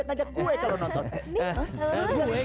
udah ngajak ngajak gue kalau nonton